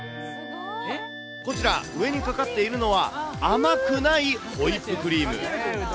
こちら、上にかかっているのは、甘くないホイップクリーム。